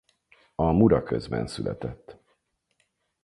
A Muraközben született.